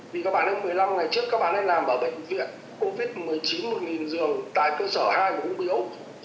vì các bạn ấy một mươi năm ngày trước các bạn ấy làm ở bệnh viện covid một mươi chín một giường tại cơ sở hai của quốc tế úc